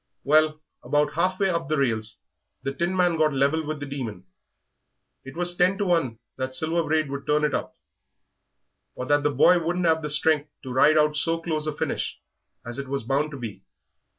Well, about half way up the rails the Tinman got level with the Demon. It was ten to one that Silver Braid would turn it up, or that the boy wouldn't 'ave the strength to ride out so close a finish as it was bound to be.